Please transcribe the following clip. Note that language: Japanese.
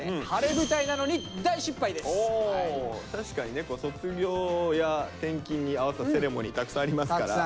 お確かにね卒業や転勤に合わせたセレモニーたくさんありますから。